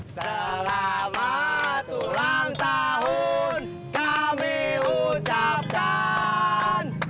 selamat ulang tahun kami ucapkan